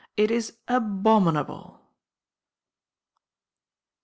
It is abominable.